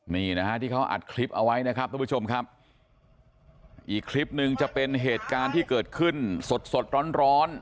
นี่นะฮะที่เขาอัดคลิปเอาไว้นะครับทุกผู้ชมครับอีกคลิปหนึ่งจะเป็นเหตุการณ์ที่เกิดขึ้นสดสดร้อนร้อน